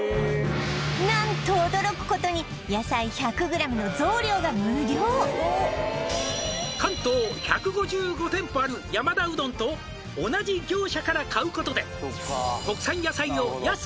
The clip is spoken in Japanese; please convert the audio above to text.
何と驚くことに「関東１５５店舗ある山田うどんと」「同じ業者から買うことで」